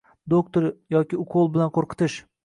Doktor yoki ukol bilan qo‘rqitish.